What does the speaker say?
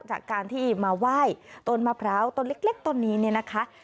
จากการที่มาไหว้ต้นมะพร้าวต้นเล็กต้นนี้เนี่ยนะคะ